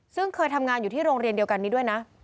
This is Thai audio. ซึ่งเคยทำงานอยู่ที่โรงเรียนเดียวกันนี้ด้วยนะ